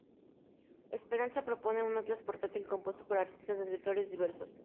Speranza propone un Atlas portátil compuesto por artistas y escritores diversos.